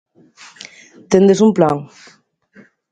Tendes un plan?